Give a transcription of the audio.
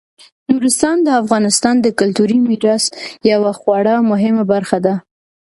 نورستان د افغانستان د کلتوري میراث یوه خورا مهمه برخه ده.